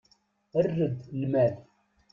Err-d lmal.